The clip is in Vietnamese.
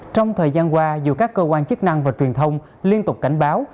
trong thời gian qua dù các cơ quan chức năng và truyền thông liên tục cảnh báo